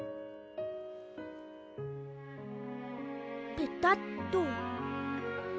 ペタッと。